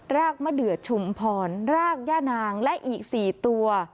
กมะเดือดชุมพรรากย่านางและอีก๔ตัว